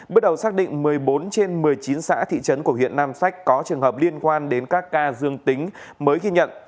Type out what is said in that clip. bước đầu xác định một mươi bốn trên một mươi chín xã thị trấn của huyện nam sách có trường hợp liên quan đến các ca dương tính mới ghi nhận